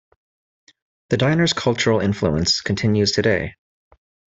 The diner's cultural influence continues today.